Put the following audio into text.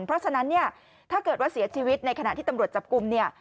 เพราะฉะนั้นเนี่ยถ้าเกิดว่าเสียชีวิตในขณะที่ตำรวจจับกลุ่มเนี่ย